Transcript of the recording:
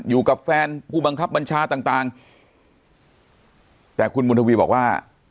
อยู่กับแฟนผู้บังคับบัญชาต่างต่างแต่คุณบุญทวีบอกว่า